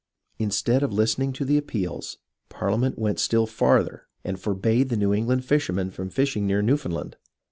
Instead of listening to the appeals. Parliament went still farther and forbade the New England fishermen from fishing near Newfoundland.